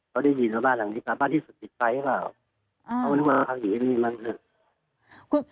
ตอนที่ย้ายบ้านมาใหม่เนี่ยนะคุณพ่อยังมีสัญญาณไม่ค่อยชัดเจน